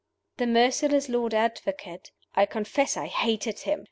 The merciless Lord Advocate (I confess I hated him!)